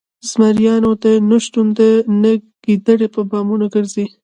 ـ زمريانو د نشتون نه ګيدړې په بامو ګرځي